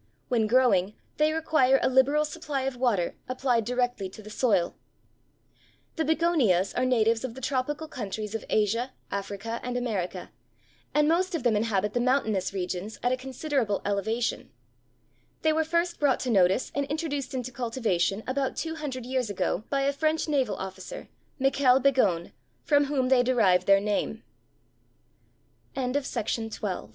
When growing, they require a liberal supply of water, applied directly to the soil. The Begonias are natives of the tropical countries of Asia, Africa, and America, and most of them inhabit the mountainous regions at a considerable elevation. They were first brought to notice and introduced into cultivation about two hundred years ago by a French naval officer, Michel Begon, from whom they derived their name. GLOXINIA.